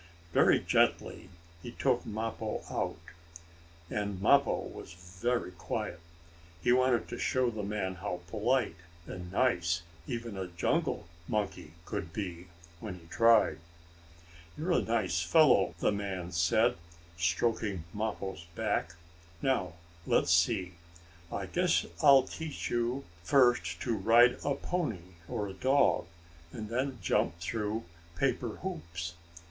Very gently he took Mappo out, and Mappo was very quiet. He wanted to show the man how polite and nice even a jungle monkey could be, when he tried. "You're a nice fellow," the man said, stroking Mappo's back. "Now let's see. I guess I'll teach you first to ride a pony, or a dog, and then jump through paper hoops.